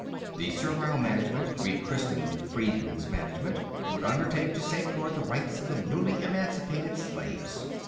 The Servile Management, rechristened Freedmen's Management, would undertake to safeguard the rights of the newly emancipated slaves.